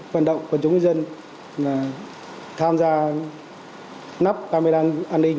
vận động của chúng dân là tham gia nắp camera an ninh